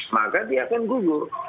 maka dia akan gugur